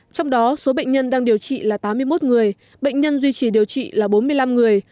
trong đó số bệnh nhân đang điều trị là tám mươi một người bệnh nhân duy trì điều trị là bốn mươi năm người